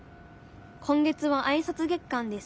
今月はあいさつ月間です。